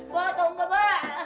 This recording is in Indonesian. bu tunggu bu